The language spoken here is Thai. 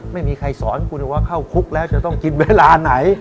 ไม่มีใครสอนคุณว่าเข้าคุกแล้วจะต้องกินเวลาไหน